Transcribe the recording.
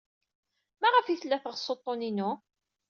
Maɣef ay tella teɣs uḍḍun-inu?